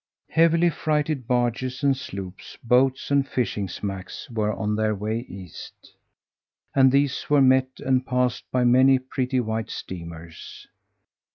Heavily freighted barges and sloops, boats and fishing smacks were on their way east, and these were met and passed by many pretty white steamers.